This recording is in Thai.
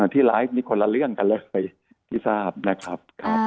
ที่ไลฟ์นี่คนละเรื่องกันเลยที่ทราบนะครับ